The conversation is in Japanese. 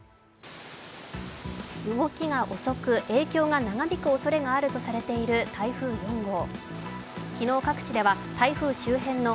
動きが遅く影響が長引くおそれがあるとされる台風４号。